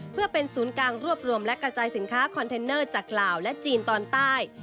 เพื่อเป็นศูนย์กลางรวบรวมและกระจายสินค้าคอนเทนเนอร์จากลาวและจีนตอนใต้